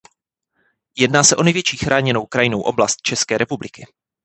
Jedná se o největší chráněnou krajinnou oblast České republiky.